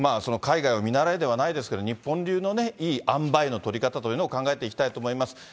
海外を見習えではないですけれども、日本流のいいあんばいの取り方というのを考えていきたいと思います。